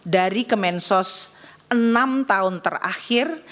dari kemensos enam tahun terakhir